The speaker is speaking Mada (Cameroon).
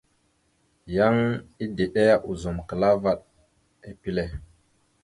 Yan edeɗa ozum klaa vaɗ epile.